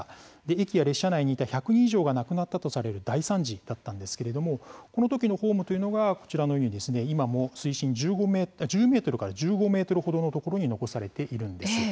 駅や列車内にいた１００人以上が亡くなったとされる大惨事だったんですけれどもこの時のホームというのがこちらのように今も水深１０ｍから１５ｍほどのところに残されているんです。